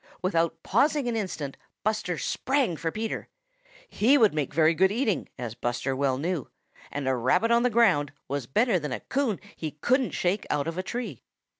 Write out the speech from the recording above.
Without pausing an instant, Buster sprang for Peter. He would make very good eating, as Buster well knew, and a Rabbit on the ground was better than a Coon he couldn't shake out of a tree.